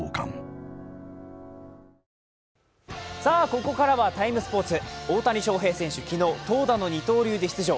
ここからは「ＴＩＭＥ，スポーツ」、大谷翔平選手、昨日、投打の二刀流で出場。